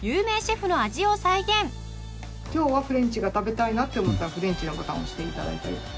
今日はフレンチが食べたいなって思ったらフレンチのボタンを押して頂いて。